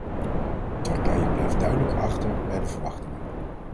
Turkije blijft duidelijk achter bij de verwachtingen.